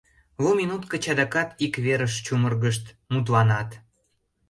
Лу минут гыч адакат ик верыш чумыргышт, мутланат.